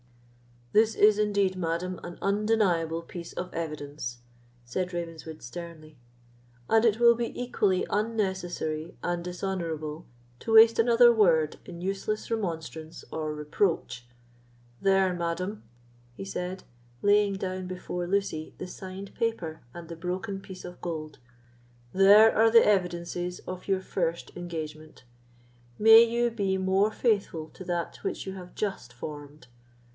"This is indeed, madam, an undeniable piece of evidence," said Ravenswood, sternly; "and it will be equally unnecessary and dishonourable to waste another word in useless remonstrance or reproach. There, madam," he said, laying down before Lucy the signed paper and the broken piece of gold—"there are the evidences of your first engagement; may you be more faithful to that which you have just formed.